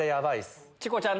チコちゃん